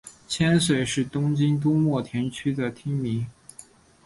千岁是东京都墨田区的町名。